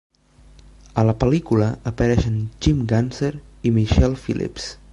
A la pel·lícula apareixen Jim Ganzer i Michelle Phillips.